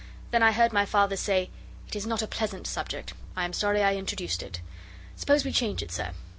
Then I heard my Father say, 'It is not a pleasant subject: I am sorry I introduced it. Suppose we change it, sir.